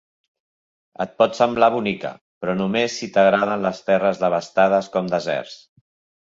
Et pot semblar bonica, però només si t'agraden les terres devastades com deserts.